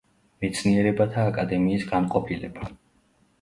მეცნიერებათა აკადემიის განყოფილება.